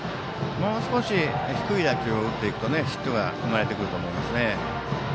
もう少し低い打球を打っていくとヒットが生まれると思いますね。